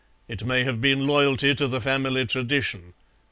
It may have been loyalty to the family tradition.